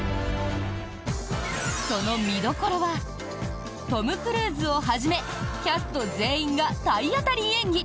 その見どころはトム・クルーズをはじめキャスト全員が体当たり演技！